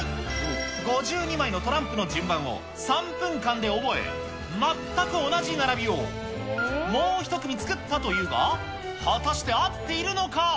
５２枚のトランプの順番を、３分間で覚え、全く同じ並びをもう１組作ったというが、果たして合っているのか。